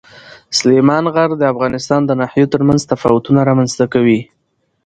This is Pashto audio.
سلیمان غر د افغانستان د ناحیو ترمنځ تفاوتونه رامنځته کوي.